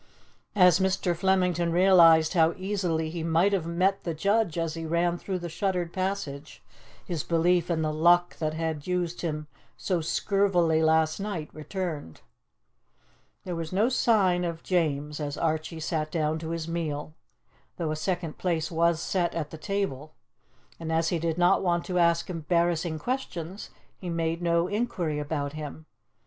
As Mr. Flemington realized how easily he might have met the judge as he ran through the shuttered passage, his belief in the luck that had used him so scurvily last night returned. There was no sign of James as Archie sat down to his meal, though a second place was set at the table, and as he did not want to ask embarrassing questions, he made no inquiry about him.